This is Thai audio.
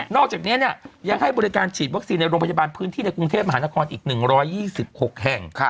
อกจากนี้ยังให้บริการฉีดวัคซีนในโรงพยาบาลพื้นที่ในกรุงเทพมหานครอีก๑๒๖แห่ง